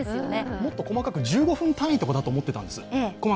もっと細かく１５分単位だと思ってたんです。